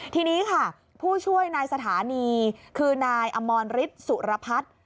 ทีนี้ค่ะผู้ช่วยนายสถานีคือนายอมรฤทธิ์สุรพัฒน์